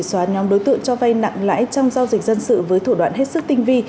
xóa nhóm đối tượng cho vay nặng lãi trong giao dịch dân sự với thủ đoạn hết sức tinh vi